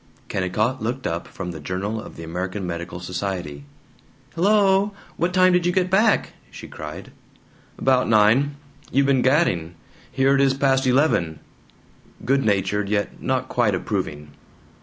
Kennicott looked up from the Journal of the American Medical Society. "Hello! What time did you get back?" she cried. "About nine. You been gadding. Here it is past eleven!" Good natured yet not quite approving.